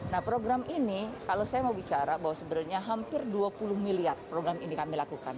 nah program ini kalau saya mau bicara bahwa sebenarnya hampir dua puluh miliar program ini kami lakukan